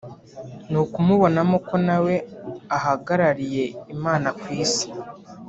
ni ukumubonamo ko na we ahagarariye Imana ku Isi”